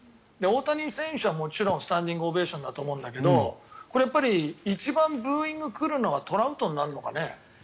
大谷選手はもちろんスタンディングオベーションだと思うんだけどこれはやっぱり一番ブーイングが来るのはトラウトになるのかね。